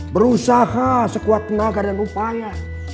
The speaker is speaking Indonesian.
berusaha sekuat tenaga dan upaya